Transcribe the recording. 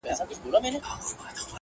ستا باڼه هم ستا د سترگو جرم پټ کړي!